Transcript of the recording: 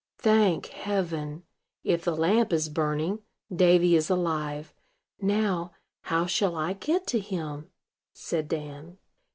"Thank heaven! if the lamp is burning, Davy is alive. Now, how shall I get to him?" said Dan.